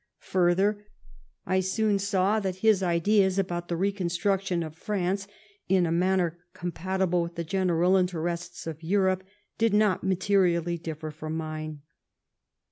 Further :" I soon saw that his ideas about the reconstruction of France in a manner comiiatible with the general interests of Europe did not materially differ from mine."